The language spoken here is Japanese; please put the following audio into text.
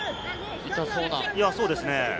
痛そうな。